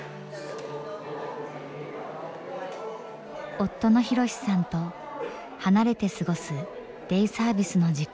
夫の博さんと離れて過ごすデイサービスの時間。